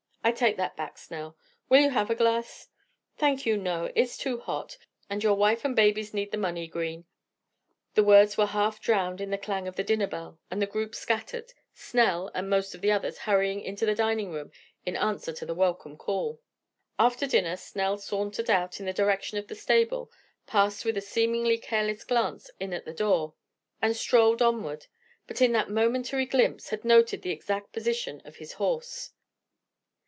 I take that back, Snell. Will you have a glass?" "Thank you, no, it's too hot, and your wife and babies need the money, Green." The words were half drowned in the clang of the dinner bell, and the group scattered, Snell, and most of the others hurrying into the dining room in answer to the welcome call. After dinner Snell sauntered out in the direction of the stable, passed with a seemingly careless glance in at the door, and strolled onward; but in that momentary glimpse had noted the exact position of his horse.